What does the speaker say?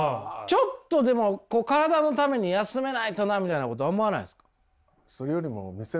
ちょっとでも体のために休めないとなみたいなこと思わないんですか？